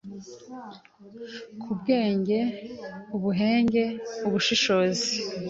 nk’ubwenge, ubuhenge, ubushishozi,